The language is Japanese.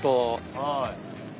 はい。